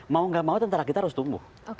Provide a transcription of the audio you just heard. mau gak mau tentara kita harus tumbuh